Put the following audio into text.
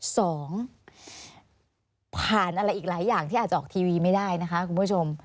สองผ่านอะไรอีกหลายอย่างที่อาจจะออกทีวีไม่ได้นะคะคุณผู้ชม